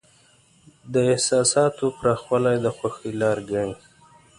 د احساساتو پراخوالی د خوښۍ لاره ګڼي.